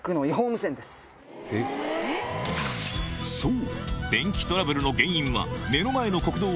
そう！